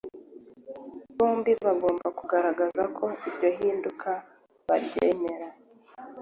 bombi bagomba kugaragaza ko iryo hinduka baryemera